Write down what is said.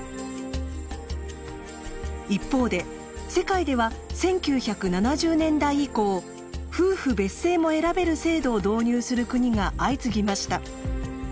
一方で世界では１９７０年代以降夫婦別姓も選べる制度を導入する国が相次ぎました。